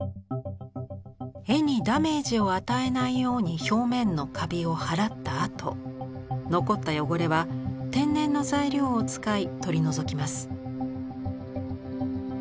絵にダメージを与えないように表面のカビを払ったあと残った汚れは天然の材料を使い取り除きます。